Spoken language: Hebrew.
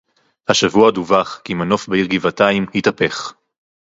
השבוע דווח כי מנוף בעיר גבעתיים התהפך